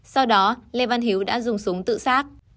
sau đó lê văn hiếu đã dùng súng tự sát